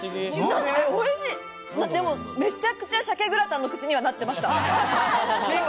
でも、めちゃくちゃ鮭グラタンの口にはなってました。